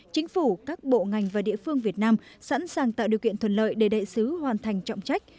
chính phủ các bộ ngành và địa phương việt nam sẵn sàng tạo điều kiện thuận lợi để đại sứ hoàn thành trọng trách